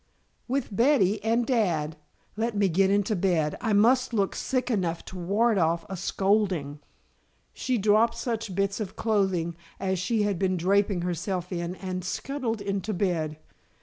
"With Betty and dad. Let me get into bed. I must look sick enough to ward off a scolding!" She dropped such bits of clothing as she had been draping herself in, and scuttled into bed.